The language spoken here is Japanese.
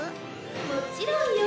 もちろんよ。